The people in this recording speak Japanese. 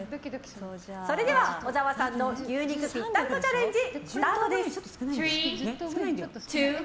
それでは小沢さんの牛肉ぴったんこチャレンジスタートです。